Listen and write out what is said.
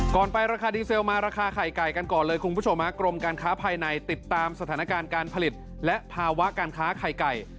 ไปราคาดีเซลมาราคาไข่ไก่กันก่อนเลยคุณผู้ชมฮะกรมการค้าภายในติดตามสถานการณ์การผลิตและภาวะการค้าไข่ไก่